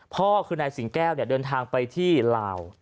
พ่อคือนายสิงแก้วเดินทางไปที่ลาว